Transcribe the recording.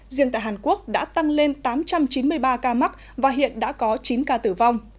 riêng tại hàn quốc đã tăng lên tám trăm chín mươi ba ca mắc và hiện đã có chín ca tử vong